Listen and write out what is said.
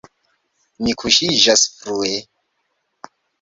Mi kuŝiĝas frue.